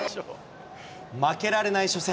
負けられない初戦。